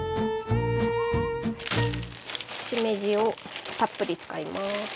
しめじをたっぷり使います。